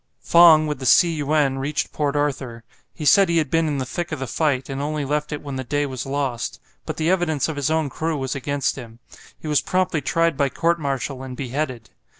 Fong, with the "Tsi yuen," reached Port Arthur. He said he had been in the thick of the fight, and only left it when the day was lost. But the evidence of his own crew was against him. He was promptly tried by court martial and beheaded.